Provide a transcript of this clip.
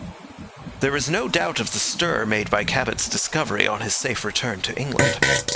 There is no doubt of the stir made by Cabot's discovery on his safe return to England.